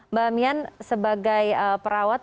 mbak mian sebagai perawat